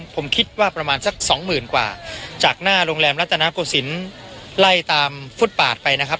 ผมคิดว่าประมาณสักสองหมื่นกว่าจากหน้าโรงแรมรัฐนาโกศิลป์ไล่ตามฟุตปาดไปนะครับ